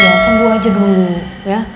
ya sembuh aja dulu ya